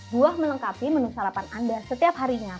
buah melengkapi menu sarapan anda setiap harinya